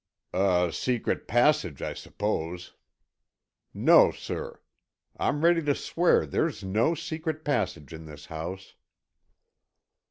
"A secret passage, I suppose." "No, sir. I'm ready to swear there's no secret passage in this house."